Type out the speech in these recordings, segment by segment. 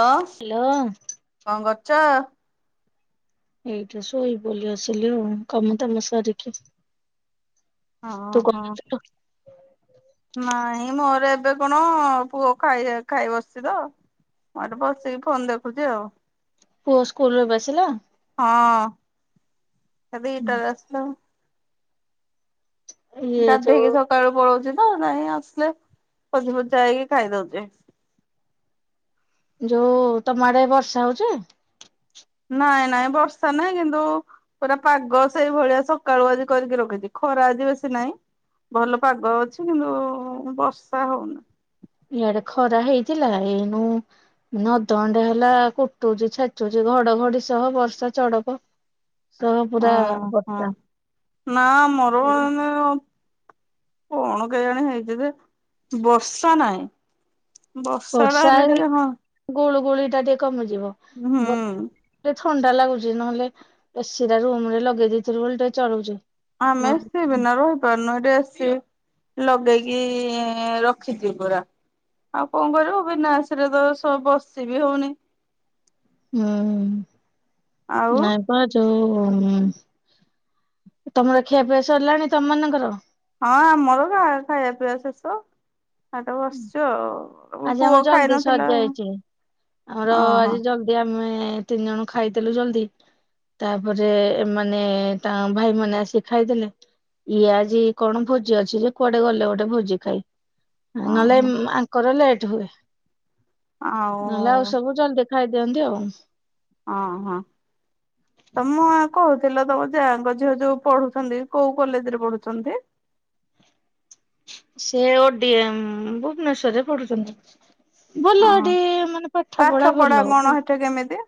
Hello hello କଣ କ ଚ ଏଇଠି ଶୋଇବି ବୋଲି ଆସିଲି ଆଉ କାମ ଦାମ ସାରିକି। ହଁ ତୁ କଣ ହଁ କରୁଥିଲୁ? ନାଇଁ ମୋର ଏବେ ଏବେ କଣ ପୁଅ ଖାଇଆ ଖାଇ ବସିଛି ତ ମୁଁ ଏଠି ବସିକି ଫୋନ୍ ଦେଖୁଛି ଆଉ ପୁଅ ସ୍କୁଲରୁ ଏବେ ଆସିଲା? ହଁ। ଏବେ ଦିଟା ରେ ଆସିଲା ଆଉ। ଇଏ ଯୋଉ ଗାଧେଇକି ସକାଳୁ ପଳଉଛନ୍ତି ହ ନାଇଁ ଆସିଲେ ପୋଛି ପୋଛା ହେଇକି ଖାଇଦାଉଛେ। ଯୋଉ ତମ ଆଡେ ବର୍ଷା ହଉଛି? ନାଇଁ ନାଇଁ ବର୍ଷା ନାଇଁ କିନ୍ତୁ ପୁରା ପାଗ ସେଇଭଳିଆ ସକାଳୁ ଆଜି କରିକି ରଖିଛି ଖରା ଆଜି ବେଶୀ ନାଇଁ ଭଲ ପାଗ ଅଛି କିନ୍ତୁ ବର୍ଷା ହଉନି। ଇଆଡେ ଖରା ହେଇଥିଲା ଏଇନୁ ଅଧଘଣ୍ଡେ ହେଲା କୁଟୁଛି ଛେଚୁଛି ଘଡଘଡି ସହ ବର୍ଷା ଚଢକ ଓ ହଁ ନା ମୋର ଏଇନେ କଣ କେଜାନି ହେଇଛି ଯେ ବର୍ଷା ନାହିଁ। ବର୍ଷା ଟା ହେଲେ ଟିକେ ହଁ? ଗୁଳିଟା ଦେ କମି ଯିବ ହୁଁ ବ ଥଣ୍ଡା ଲାଗୁଛି ନହେଲେ ଏସିି ଟା ରୁମ୍ ରେ ଲଗେଇ ଦେଇେଥିଲି ବୋଲି ଟିକେ ଚଳୁଛି। ଆମେ ନହେଲେ ଏସି ବିନା ରହିପାରୁନୁ ଏଠି ଏସି ଲଗେଇକି ରଖିଛି ପୂରା ଆଉ କଣ କରିବୁ ବିନା ଏସିରେ ତ ସ ବସି ବିି ହଉନି। ହୁଁ ଆଉ ନାଇଁ ପା ଯୋଉ ଓ ତମର ଖିଆପିଆ ସରିଲାଣି ତମ ମାନଙ୍କର? ହଁ ଆମର ଖା ଖାଇଆ ପିଇଆ ଶେଷ। ଏଟି ବସିଛୁ ଆଉ। ଆଜି ପୁଅ ଆମର ଖାଇ ଜଲଦି ସରି ନଥିଲା ଯାଇଛି ଆମର ଓହୋ ଆଜି ଜଲଦି ଆ ଆମେ ତିନି ଜଣ ଖାଇଥିଲୁ ଜଲଦି ତାପରେ ଏମାନୋନ ତାଙ୍କ ଭାଇ ମାନ ଆସିିକି ଖାଇଥିଲେ ଇଏ ଆଜି କଣ ଭୋଜି ଅଛି ଯେ କୁଆଡେ ଗଲେ ଗୋଟେ ଭୋଜି ଖାଇ,। ନହଲେ। ଓହୋ ପୁର ଲେଟ ହୁଏ। ଆଉ ନହେଲେ ଆଉ ସବୁ ଜଲତି ଦେଖ ଖାଇ ଦିଅନ୍ତି ଆଉ। ଓ ହୋ ତମଁ କହୁଥିଲ ତମ ଯାଙ୍କ ଝିଅ ଯୋଉ ପଢୁଛନ୍ତି କୋଉ କଲେଜ ରେ ପଢୁଛନ୍ତି। ସେ ଓଡି ଭୁବନେଶ୍ଵରରେ ପଢୁଛନ୍ତି। ଭଲ ହଁ ଟିକେ ମାନେ ପାଠ ପଢା ଭଲ ହବ। କଣ ସେଠି କେମିତି?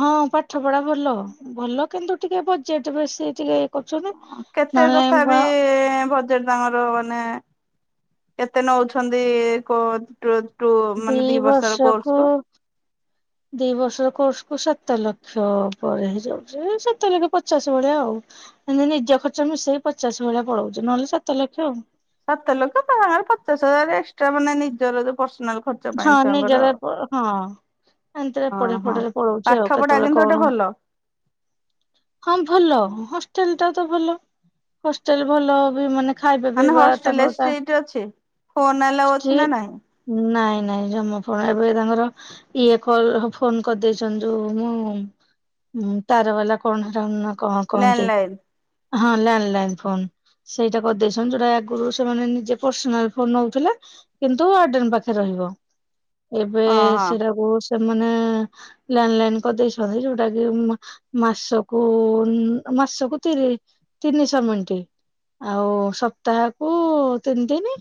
ହଁ ପାଠ ପଢା ଭଲ ଭଲ କିନ୍ତୁ ଟିକେ ବଜେଟ ବେଶୀ ଟିକେ କରୁଛନ୍ତି। କେତେ ନହେଲେ ତଥାପି ବଜେଟ ତାଙ୍କର ମାନେ କେତେ ନଉଛନ୍ତି କ ଦି ବର୍ଷକୁ ଦି ବର୍ଷ କୁ ସାତ ଲକ୍ଷ ପରେ ହେଇଯାଉଛି ସାତ ଲକ୍ଷ ପଚାଶ ଭଳିଆ ଆଉ ଏତି ନିଜ ଖର୍ଚ୍ଚ ମିଶେଇ ପଚାଶ ଭଳିଆ ପଳଉଛି ନହେଲେ ସାତ ଲକ୍ଷ ଆଉ। ସାତ ଲୋକ ତ ସାଙ୍ଗରେ ପଚାଶ ହଜାର ଏକ୍ସଟ୍ରା ମାନେ ନିଜର ଯୋଉ ପର୍ସନାଲ ଖର୍ଚ୍ଚ ହଁ ପାଇଁ ଛୁଆଙ୍କର ନିଜର ହଁ ଏମତିରେ ପଢେ ଓହୋ ପଢରେ ପଳଉଛି ପାଠ ଆଉ ପଢା କେତେବେଳେ କିନ୍ତୁ ଗୋଟେ କଣ ଭଲ ହଁ ଭଲ ହ। ହଲ ଟା ତ ଭଲ ହଷ୍ଟେଲ ଭଲ ବି ମାନେ ଖାଇବା ମାନେ ପିଇବା ହଷ୍ଟେଲ ରେ ତାଙ୍କର ତା ସାଇଟ୍ ଅଛି ଫୋନ ଅଲ୍ଲାଉ ଅଛି ନା ଷ୍ଟ୍ରିଟ୍ ନାହିଁ। ନାଇଁ ନାଇଁ ଜମାଣ ଏବେ ତାଙ୍କର ଇଏ କଲ ଫୋନ କରିଦେଇ ଯୋଉ ମୁଁ ତାର ବାଲା କଣ ର। କଣ ଲ୍ୟାଣ୍ଡ କୁହନ୍ତି। ଲାଇନ ହଁ ଲ୍ୟାଣ୍ଡ ଲାଇନ ଫୋନ୍ ସେଇଟା କରିଦେଇଛନ୍ତି ଯୋଉଟା ଆଗରୁ ସେମାନେ ନିଜେ ପର୍ସନାଲ ଫୋନ ନଉଥିଲେ କିନ୍ତୁ ୱାର୍ଡେନ ପାଖରେ ରହିବ। ଏବେ ହଁ ହଁ। ସେଟାକୁ ସ୍। ସେମାନେ ଲ୍ୟାଣ୍ଡ ଲାଇନ କରିଦେଇଛନ୍ତି ଯୋଉଟା କି ମାସକୁ ମାସକୁ ତିରି ତିନିଶହ ମିନ୍ଟିି ଆଉ ସପ୍ତାହକୁ ତିନି ତିନି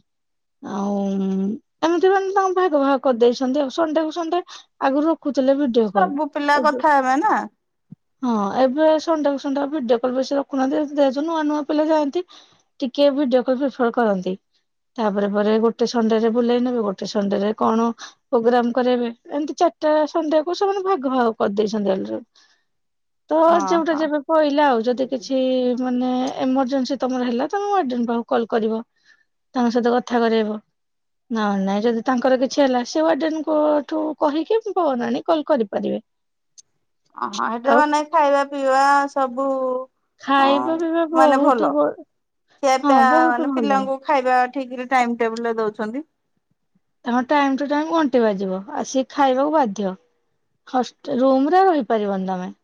ଆଉ ଏମିତି ମାନ। ଭାଗ ଭାଗ କରିଦେଇଛନ୍ତି ଆଉ ସୁଣ୍ଡେକୁ ସଣ୍ଡେ ଆଗରୁ। ରଖୁଥିଲେ ଭିଡିଓ କଲ ସବୁ ପିଲା ଏବେ କଥା ହବା ନା। ହଁ ଏବେ ସଣ୍ଡେକୁ ସଣ୍ଡେ ଭିଡିଓ କଲ୍ ବେଶୀ ରଖୁନାହାନ୍ତିୁ। ନୂଆ ନୂଆ ପିଲା ଯାଆନ୍ତି ଟିକେ ଭିଡିଓ କଲ୍ ପ୍ରିଫର କରନ୍ତି। ତାପରେ ପରେ ପରେ ଗୋଟେ ସଣ୍ଡେରେ ବୁଲେଇ ନେବେ ଗୋଟେ ସ ସଣ୍ଡେ ରେ କଣ ପ୍ରୋଗ୍ରାମ କରାଇବେ ଏମିତି ଚାରିଟା ସଣ୍ଡେ କୁ ସେମାନେ ଭାଗ ଭାଗ କରିଦେଇ ଡେଟ୍ ରେ। ତ ଯୋଉଟା ଓହୋ। ଯେବେ ପହିଲା ଆଉ ଯଦି କିଛି ମାନେ। ଏମରଜେନ୍ସି ତମର ହେଲା ତମେ ୱାର୍ଡେନ ପାଖକୁ କଲ୍ କରିବ ତାଙ୍କ ସହିତ କଥା କରାଇବ ନା ନାଇଁ ଯଦି ତାଙ୍କର କିଛି ହେଲା ସେ ୱାର୍ଡେନଙ୍କଠୁ କହିକି ଫୋନ୍ ଅନିକି କଲ୍ କରିପାରିବେ। ଅ ହଁ ଆଉ ୱାର୍ଡେଏନ ଖାଇବା ପିଇବା ସବୁ ଅ ଖାଇବା ପିଇବା ବହୁତ ଭଲ [inaudible] ହଁ ବହୁତ୍ ଭଲ। [inaudible] ଠିକ୍ ରେ ଟାଇମ୍ ଟେବୁଲ୍ ରେ ଦଉଛନ୍ତି। ତମ ଟାଇମ୍ ଟୁ ଟାଇମ୍ ଘଣ୍ଟି ବାଜିବ ଆସିକି ଖାଇବାକୁ ବାଧ୍ୟ ହଷ୍ଟେ ରୁମରେ ରହିପାରିବନି ତମେ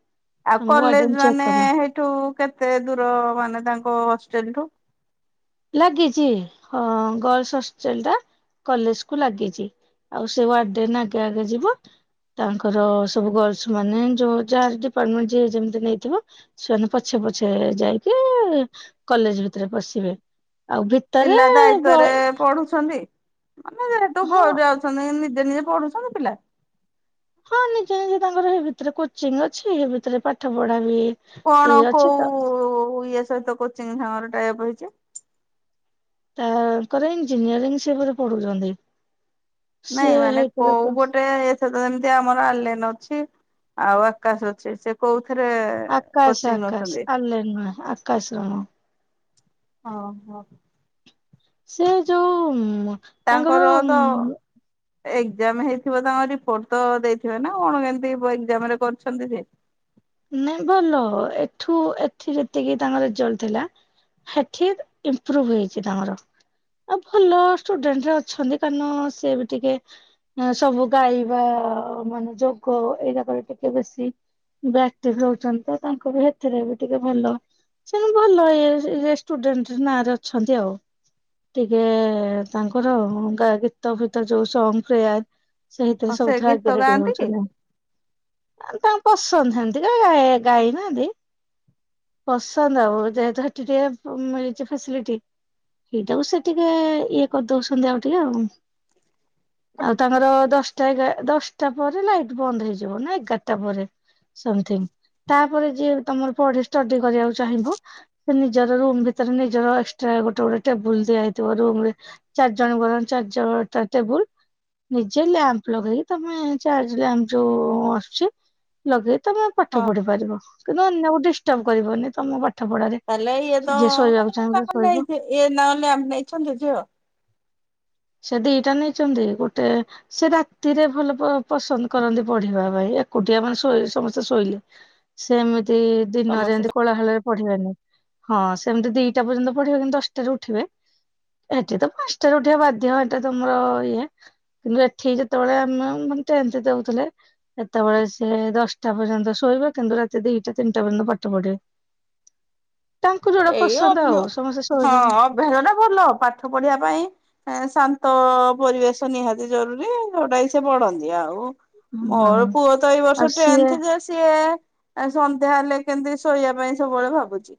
ଆଉ ତମକୁ ୱାର୍ଡେନ କଲେଜ ଚେକ୍ ମାନେ କରିବ। ହେଇଠୁ କେତେ। କେତେ ଦୂର ମାନେ ତାଙ୍କ ହଷ୍ଟେଲଠୁ? ଲାଗିଚି ହଁ ଗର୍ଲସ ହଷ୍ଟେଲ ଟା କଲେଜ କୁ ଲାଗିଚି। ଆଉ ୱାର୍ଡେନ ଆଗେ ଆଗେ ଯିବ ତାଙ୍କର ସବୁ ଗର୍ଲସ ମାନେ ଯୋ ଜାର ଡିପାର୍ଟମେଣ୍ଟ ଯିଏ ଯେମତି ନେଇଥିବ ସେମାନେ ପଛେ ପଛେ ଯାଇକି କଲେଜ ଭିତରେ ପଶିବେ। ଆଉ ଭିତରେ ପିଲା ଦାୟିତ୍ଵରେ ବଏଜ୍। ପଢୁଛନ୍ତି। ମାନେ ସେଠୁ ଘରେ ଯାଉଚନ୍ତି ଏମି ନିଜେ ନିଜେ ପଢୁଚନ୍ତି ପିଲା? ହଁ ନିଜେ ନିଜେ ତାଙ୍କର ଭିତରେ କୋଚିଂ ଅଛି। ହେ ଭିତରେ ପାଠ ପଢା ବି ଏ କଣ ଅଛି ତ କୋଉ ଇଏ ସହିତ କୋଚିଂ ସାଙ୍ଗ [unintelligible] ଟାଏ ଅପ୍ ହେଇଚି। ତାଙ୍କର ଇଞ୍ଜିନିୟରିଂ ସେ ବୋଧେ ପଢୁଚନ୍ତି। ନାଇଁ ମାନେ କୋଉ ଗୋଟେ ଏସେ ତ ଯେମିତି ଆମର ଆଲେନ ଅଛି। ଆଉ ଆକାଶ ଅଛି। ସେ କୋଉ ଆକାଶ ଆକାଶ ଆଲେନ୍ ନୁହେଁ ଆକାଶ ରଣ। ଅ ହ। ସେ ଯୋଉ ଉଁ ମ ତାଙ୍କର ଉଁ ଉଁ ଏକଜାମ୍ ହେଇଥିବ ତାଙ୍କ ରିପୋର୍ଟ ତ ଦେଇଥିବ ନା କଣ କେମତି ଏକଜାମ୍ ରେ କରିଛନ୍ତି ସେ ନାଇଁ ଭଲ ଏଠୁ ଏଠି ଯେତିକି ତାଙ୍କ ରେଜଲ୍ଟ ଥିଲା ସେଠି ଇମ୍ପୃଭ ହେଇଛି ତାଙ୍କର ଆଉ ଭଲ ଷ୍ଟୁଡେଣ୍ଟରେ ଅଛନ୍ତି କାରଣ ସ ବି ଟିକେ ସବୁ ଗାଇବା ମାନେ ଯୋଗ ଏଇ ଯାକରେ ଟିକେ ବେଶୀ ବ୍ୟାକ୍ଟି ରହୁଛନ୍ତି ତ ତାଙ୍କ ବି ସେଥିରେ ବି ଟିକେ ଭଲ। ସେ ଭଲ ଇଏ ରେ ଷ୍ଟୁଡେଣ୍ଟ୍ ନାଁ ରେ ଅଛନ୍ତି ଆଉ ଟିକେ ତାଙ୍କର ଗ ଗୀତ ଫିତ ଯୋଉ ସଙ୍ଗ ରେୟାର ସେଇଥିରେ ଆଉ ସେ ସବୁଥିରେ ଗୀତ ଆଗରେ ବି ଗାଆନ୍ତି କି? ହଉଛନ୍ତି [inaudible] ତାଙ୍କ [inaudible] ସନ୍ଧ୍ୟା [inaudible] ପ ଗାଇବା ପସନ୍ଦ ବି ପସନ୍ଦ ଆଉ ଯେହେତୁ ସେଠି ଟିକେ ମିଳିଛି ଫାସଲିଟି ସେଇଟାକୁ ସେ ଟିକେ ଇଏ କରିଦଉଛନ୍ତି ଆଉ ଟିକେ ଆଉ ତାଙ୍କର ଦଶଟା, ଏଗାର, ଦଶଟା ପରେ ଲାଇଟ୍ ବନ୍ଦ ହେଇଯିବ ନା ଏଗାରଟା ପରେ। ସମ୍ ଥିଙ୍ଗ ତାପରେ ଯିଏ ତମର ପଢି ଷ୍ଟଡି କରିବାକୁ ଚାହିଁବ ସେ ନିଜର ରୁମ ଭିତରେ ନିଜର ଏକ୍ସଟ୍ରା ଗୋଟେ ଗୋଟ ଟେବୁଲ ଦିଆ ହେଇଥିବ ରୁମ୍ ରେ ଚାରି ଜଣଙ୍କ ର ଚାରି [inaudible] ଟେବୁଲ୍ ନିଜେ ଲ୍ୟାମ୍ପ ଲଗେଇକି ତମେ ଚାର୍ଜ ଲ୍ୟାମ୍ପ ଯୋଉ ଆସୁଛି ଲଗେ। ତମେ ପାଠ ହଁ ପଢି ପାରିବ। କିନ୍ତୁ ଅନ୍ୟକୁ ଡିଷ୍ଟର୍ବ କରିବନି ତମ ପା ତାଲେ ଇଏ ତ ଅ-ଇଏ ତାଙ୍କ ନେଇ ଶୋଇବ ଥି-ଇଏ ତାଙ୍କ ମ୍ୟାମ ନେଇଛନ୍ତି ଝିଅ। ସେ ଦିଟା ନେଇଚନ୍ତି ଗୋଟେ ସେ ରାତିରେ ଭଲ ପ-ପସନ୍ଦ କରନ୍ତି ପଢିବା ପାଇଁ ଏକୁଟିଆ ମାନେ ସୋ-ଶୋଇ ସମସ୍ତେ ଶୋଇଲେ ସେମିତି ତି ଏନ୍ତି ଦିନ ସମସ୍ତେ ରେ କଳା ହେଲେ ପଢିବାନି ହଁ ସେମିତି ଦିଟା ପର୍ଯ୍ୟନ୍ତ ପଢିବେ କିନ୍ତୁ ଦଶଟାରେ ଉଠିବେ ଏଠି ତ ପାଞ୍ଚଟାରେ ଉଠିବା ବାଧ୍ୟ ହ-ଏଇଟା ତମର ଇଏ କିନ୍ତୁ ଏଠି ଯେତେବେଳେ ଆମେ ମାନେ ତେନ୍ଥ ଦଉଥିଲେ ସେତେବେଳେ ସେ ଦଶଟା ପର୍ଯ୍ୟନ୍ତ ଶୋଇବେ କିନ୍ତୁ ରାତି ଦିଟା ତିନିଟା ପର୍ଯ୍ୟନ୍ତ ପାଠ ପଢିବେ। ତାଙ୍କୁ ଯୋଉଟା ଏଇ ପସନ୍ଦ ଆଉ ସମସ୍ତେ ଅବା-ହଁ ଶୋଇଲେ ଅଭ୍ୟାସ ଟା ଭଲ ପାଠ ପଢିବା ପାଇଁ ଏ-ଶାନ୍ତି ତଅ ପରିବେଶ ନିହାତି ଜରୁରୀ ଯୋଉଟା ଇଚ୍ଛା ପଢ଼ନ୍ତି ଆଉ ମୋର ହଁ ପୁଅ ତ ଏଇ ଆଉ ବର୍ଷ ସିଏ ଟେନ୍ଥ ଯେ ସିଏ ଆ ସନ୍ଧ୍ୟା ହେଲେ କେନ୍ତି ଶୋଇବା ପାଇଁ ସବୁବେଳେ ଭାବୁଚି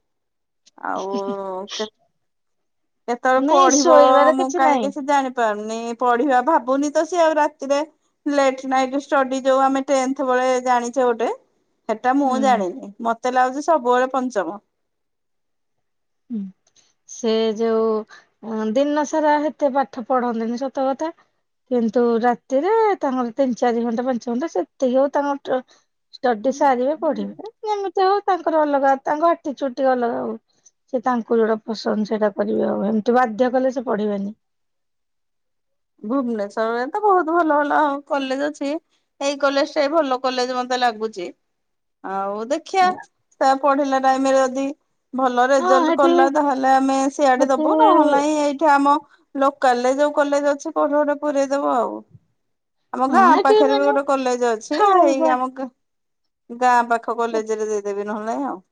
ଆଉ କେ କେତେବେଳେ ନାଇଁ ପଢିବ ଶୋଇବାର ମୁଁ କାଇଁ ନାହିଁ କିଛି ଜାଣି ପାରୁନି ନି-ପଢିବା ଭାବୁନି ତ ସିଏ ଆଉ ରାତିରେ ଲେଟ୍ ନାଇଟ୍ ଷ୍ଟଡି ଯୋଉ ମାନେ ତେନ୍ଥ ବେଳେ ଜାଣିଚେ ଗୋଟେ ସେଟା ମୁଁ ହୁଁ ଜାଣିନି ମତ୍ ମତେ ଲାଗୁଚି ସବୁବେଳେ ପଞ୍ଚମ। ହୁଁ ସେ ଯୋଉ ଉଁ-ଦିନ ସାରା ହେତେ ପାଠ ପଢନ୍ତିନି ସତ କଥା କିନ୍ତୁ ରାତିରେଏ ତାଙ୍କର ତିନି ଚାରି ଘଣ୍ଟା ପାଞ୍ଚ ଘଣ୍ଟା ସେତିକି ଆଉ ତାଙ୍କର ଷ୍ଟଡି ସାରିବେ ପଢିବେ ଯେମିତି ହଉ ତାଙ୍କର ଅଲଗା ତାଙ୍କ ଆଟିଚିଉଡ୍ ଅଲଗା ଆଉ। ସେ ତାଙ୍କୁ ଯୋଉଟା ପସନ୍ଦ ସେଇଟା କରିବେ ଆଉ ହେନ୍ତି ବାଧ୍ୟ କଲେ ସେ ପଢିବେନି। ଭୁବନେଶ୍୍ୱରରେ ତ ବହୁତ ଭଲ ଭଲ କଲେଜ ଅଛି ଏଇ କଲେଜ ଟା ଭଲ କଲେଜ ମତେ ଲାଗୁଚି ଆଉ ଦେଖିଆ ସେ ପଢିଲା ପାଇମେ ରଦିଇ ଭଲ ହଁ ରେଜଲ୍ଟ ହେଠି କଲା ତାହେଲେ ଆମେ ସିଆଡେ ହେଠି ଦବୁ ନହେଲୋନାଇଁ ଏଇଠି ଆମ ଲୋକାଲ୍ ରେ ଯୋଉ କଲେଜ ଅଛି। କୋଉଠି ଗୋଟେ ପୁରେଇ ଦବ ଆଉ। ଆମ ହଁ ଗାଁ ହେଠି ପାଖରେ ବି ମାନେ ଗୋଟେ କଲେଜ ଅଛି ହେଇ ଖାଇବା ଆମ ଗା ଗାଁ ପାଖ କଲେଜ ରେ ଦେଇଦେବେ। ନହେଲେ ନାଇଁ ଆଉ।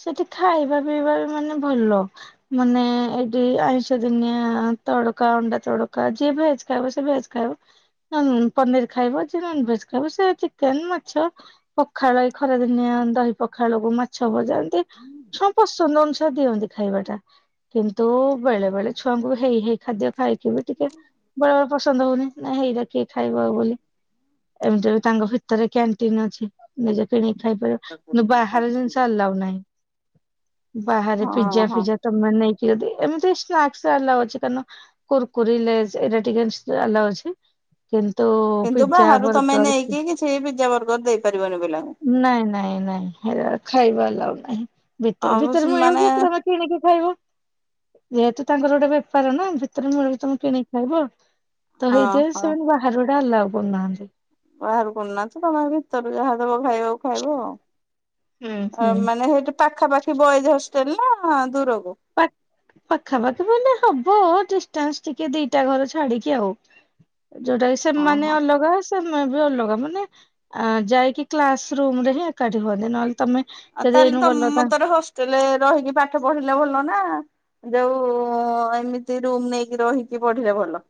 ସେଠି ଖାଇବା ପିଇବା ବି ମାନେ ଭଲଅ ମାନେ ଏଇଟି ଆଇଁଷ ଦିନିଆ ତଡକା ଅଣ୍ଡା ତଡକା ଯିଏ ଭେଜ ଖାଇବ ସେ ଭେଜ ଖାଇବ ନ୍-ପନିର ଖାଇବ ଯିଏ ନନ୍ ଭେଜ ଖାଇବ ସେ ଚିକେନ୍ ମାଛ ପଖାଳ ଏଇ ଖରା ଦିନିଆ ଦହି ପଖାଳକୁ ମାଛ ଭଜା। ଛୁଆ ପସନ୍ଦ ଅନୁ ତ-ଦିଅନ୍ତି ଖାଇବା ଟା କିନ୍ତୁଉ ବେଳେ ବେଳେ ଛୁଆଙ୍କୁ ହେଇ ହେଇ ଖାଦ୍ୟ ଖାଇକି ବି ଟିକେ ବେଳେବେଳେ ପସନ୍ଦ ହଉନି ନା ହେଇରା କିଏ ଖାଇବ ବୋଲି ଏମିତି ବି ତାଙ୍କ ଭିତରେ କ୍ୟାଣ୍ଟିନ୍ ଅଛି ନିଜେ କିଣିକି ଖାଇପାରିବ କିନ୍ତୁ ବାହାରଅ ଜିନିଷ ଆଲାଉ ନାହିଁ। ବାହାରେ ପିଜଜା ହଁ ହଁ ଫିଜା ତମ ମାନେ। ଏମିତି ସ୍ନାକ୍ ଆଲ୍ଲାଓ ଅଛି କାରଣ କୁର୍ କୁରୀ, ଲେଜ୍ ଏଗୁଡ଼ା ଟିକେ ଆଲ୍ଲାଓ ଆଛି। ତୋ କିନ୍ତୁ ପିଜ୍ଜା ବାହାରୁ ତମେ ବର୍ଗର ନେଇକି କିଛି ପିଜା ବର୍ଗର ଦେଇପାରିବନି ପିଲାଙ୍କୁ। ନାଇଁ ନାଇଁ ନାଇଁ ଖାଇବା ଆଲ୍ଲାଉଡ଼। [inaudible] ଭିତରେ ଆଉ ଭିତରେ ମୁଁ ମାନେ ଏଠୁ କିଏ ନେଇକି ଖାଇବ। ଯେହେତୁ। ତାଙ୍କର ଗୋଟେ ବେପାର ନା ଭିତରେ ମିଳୁଛି ତମେ କିଣିକି ଖାଇବ। ହଁ [unintelligible] [unintelligible] ବାହାର କରୁ ନାହାଁନ୍ତି ତମେ ଭିତରେ ଯାହା ଦେବ। ଖାଇବାକୁ ଖାଇବ। ହୁଁ ଅ ହୁଁ। ମାନେ ହଇଛି ପାଖାପାଖି ବଏସ୍ ହଷ୍ଟେଲ୍। ହେଲା ଦୂର କୁ। [unintelligible] ହବ ଡିଷ୍ଟାନ୍ସ ଟିକେ ଦିଟା ଘର ଛାଡ଼ିକି ଆଉ। ଯୋଉଟା କି ହଁ ସେମାନେ ହଁ ଅଲଗା ସେ। ମେ ବି ଅଲଗା ମାନେ ଯାଇକି କ୍ଲାସ ରୁମ ରେ ହିଁ ଏକାଠି ହୁଅନ୍ତି। ନହେଲେ ତମେ ଯଦି ତାହେଲେ ଏଇନୁ ତମ ଗଲ ତା ମତରେ ହଷ୍ଟେଲରେ ରହିକି ପାଠ ପଢିଲେ ଭଲ ନା। ଯୋଉ ଏମିତି ରୁମ୍ ନେଇକି ରହିକି ପଢି଼ଲେ ଭଲ।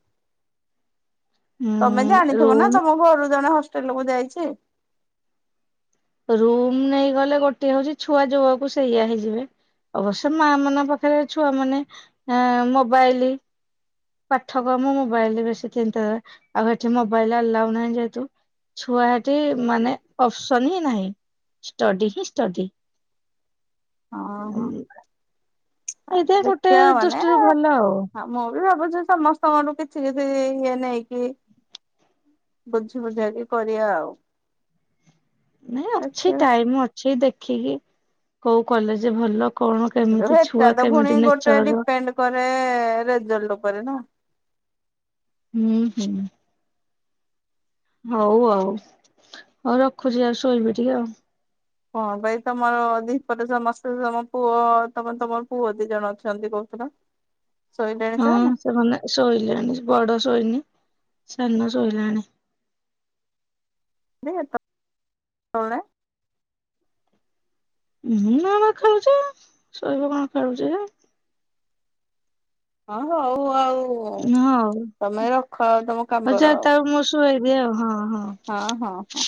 ତମେ ହୁଁ ଜାଣିଥିବ ନା ରୁମ ତମ ଘରୁ ଜଣେ ହଷ୍ଟେଲକୁୁ ଯାଇ ଛି। ରୁମ୍ ନେଇଗଲେ ଗୋଟେ ହଉଛି ଛୁଆ ଯୋଉକୁ ସେଇଆ ହେଇଯିବେ, ଅବଶ୍ୟ ମା ମାନଙ୍କ ପାଖରେ ଛୁଆ ମାନଙ୍କ ମୋବାଇଲ। ପାଠକ୍ରମ ମୋବାଇଲରେ ବେଶୀ ଚିନ୍ତା ଆଉ ଏଠି ମୋବାଇଲ ଆଲ୍ଲାଓ ନାହିଁ ଯେହେତୁ ଛୁଆ ଟି ମାନେ ଅସ ଫସନ୍ ହିଁ ନାହିଁ। ଷ୍ଟଡି ହିଁ ଷ୍ଟଡି। ହଁ ହଁ। ଏଇଟା ଗୋଟେ ଦୃଷ୍ଟିରୁ ଭଲ ଆଉ। ହଁ ମୁଁ ଭାବୁଛି ସମସ୍ତଙ୍କଠୁ କିଛି କିଛି ଇଏ ନେଇକି ବୁଝି ବୁଝାଇକି କରିବା ଆଉ। ନାଇଁ ଅଛି ଦେଖିବା ଟାଇମ ଅଛି ଦେଖ ଦେଖିକି କୋଉ କଲେଜ ଭଲ କଣ କେମିତି ଛୁଆ ସେଟା ତ ପୁଣି କେମିତି ଗୋଟେ ନେଚର ଡିପେଣ୍ଡ କରେ ରେଜଲ୍ଟ ଉପରେ ନା। ହୁଁ ହୁଁ। ହଉ ଆଉ ହଉ ରଖୁଛି ଆଉ ଶୋଇବି ଟିକେ ଆଉ। ହଁ ଭାଇ ତମର ଦିପଟ ସମସ୍ତେ ତମ ପୁଅ ତମେ ତମର ପୁଅ ଦି ଜଣ ଅଛନ୍ତି କହୁଥିଲ। ହଁ ସେମାନେ ଶୋଇଲେଣି ବଡ଼ ଶୋଇନି। ସାନ ଶୋଇଲାଣି। ଦେ ତଣ ହଁ ନା ବା ଖେଳୁଛି ଶୋଇବ କଣ ଖେଳୁଛି। ହଁ ହଉ ଅ ଆଉ ହଉ। ତମେ ରଖ ଆ ତମ କାମର ଆଉ। ହୁଏ ଆଉ ହଁ। ହଁ, ହଁ, ହଁ।